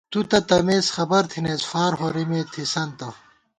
تُو تہ تمېس خبر تھنئیس فار ہورِمے تھِسنتہ